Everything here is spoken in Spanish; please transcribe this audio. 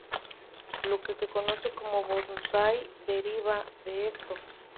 Lo que se conoce como bonsái deriva de esto.